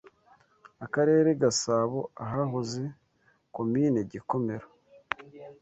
aKarere Gasabo ahahoze Komini Gikomero